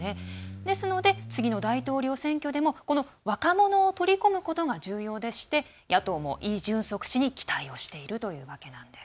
ですので次の大統領選挙でもこの若者を取り込むことが重要で野党もイ・ジュンソク氏に期待をしているというわけなんです。